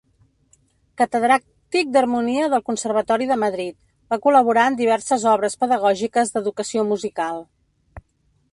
Catedràtic d'harmonia del Conservatori de Madrid, va col·laborar en diverses obres pedagògiques d'educació musical.